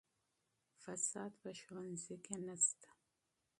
فساد په ښوونځي کې نشته.